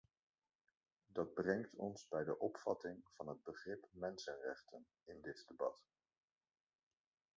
Dat brengt ons bij de opvatting van het begrip mensenrechten in dit debat.